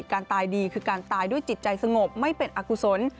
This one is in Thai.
การตายดีคือการตายด้วยจิตใจสงบไม่เป็นอกุศล